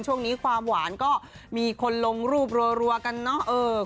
ช่วงนี้ความหวานก็มีคนลงรูปรัวกันเนอะ